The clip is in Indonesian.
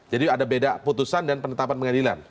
jadi ada beda putusan dan penetapan pengadilan